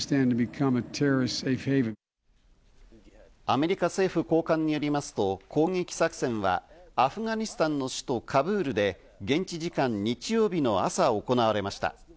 アメリカ政府高官によりますと攻撃作戦は、アフガニスタンの首都カブールで現地時間、日曜日の朝、行われました。